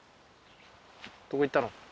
どこ行ったの？